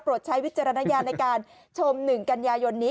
ใช้วิจารณญาณในการชม๑กันยายนนี้